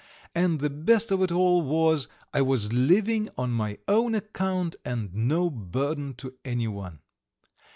And the best of it all was, I was living on my own account and no burden to anyone!